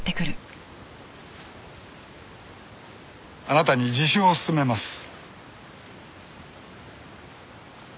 あなたに自首を勧めます。